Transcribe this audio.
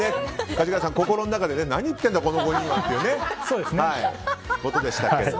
かじがやさん心の中で、何言ってるんだこの５人はってことでしたが。